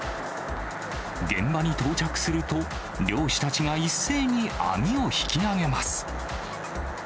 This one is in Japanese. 現場に到着すると、漁師たちが一斉に網を引き揚げます。